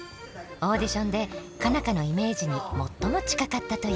オーディションで佳奈花のイメージに最も近かったという。